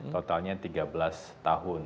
totalnya tiga belas tahun